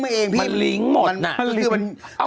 มันฟีดหมดนะ